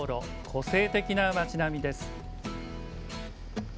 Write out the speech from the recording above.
個性的な街並みです。